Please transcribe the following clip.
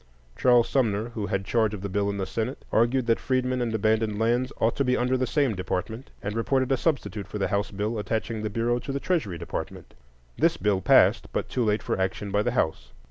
Charles Sumner, who had charge of the bill in the Senate, argued that freedmen and abandoned lands ought to be under the same department, and reported a substitute for the House bill attaching the Bureau to the Treasury Department. This bill passed, but too late for action by the House.